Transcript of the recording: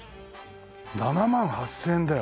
７万８０００円だよ。